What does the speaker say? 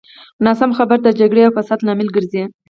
ناسمه خبره د جګړې او فساد لامل ګرځي.